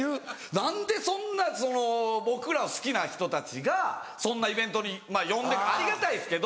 何でそんな僕らを好きな人たちがそんなイベントに呼んでありがたいですけど。